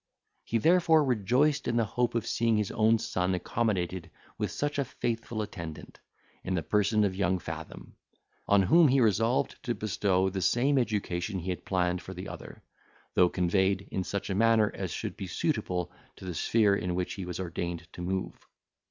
He therefore rejoiced in the hope of seeing his own son accommodated with such a faithful attendant, in the person of young Fathom, on whom he resolved to bestow the same education he had planned for the other, though conveyed in such a manner as should be suitable to the sphere in which he was ordained to move.